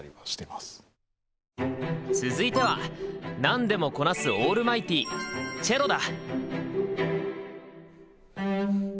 続いてはなんでもこなすオールマイティーチェロだ！